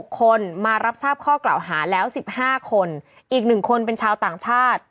คนมารับทราบข้อกล่าวหาแล้ว๑๕คนอีก๑คนเป็นชาวต่างชาติ